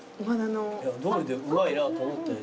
どうりでうまいなと思ったよ